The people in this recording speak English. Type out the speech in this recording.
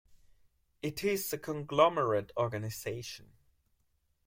It is a conglomerate organization.